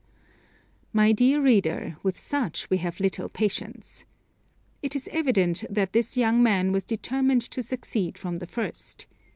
My dear reader, with such we have little patience. It is evident that this young man was determined to succeed from the first.